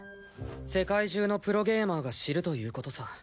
世界中のプロゲーマーが知るということさ。